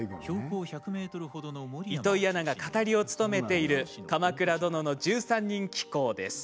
糸井アナが語りを務めている「鎌倉殿の１３人紀行」です。